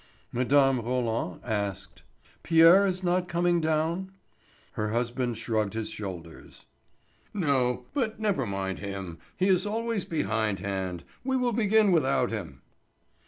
Mme. Roland asked: "Pierre is not come down?" Her husband shrugged his shoulders. "No, but never mind him; he is always behind hand. We will begin without him."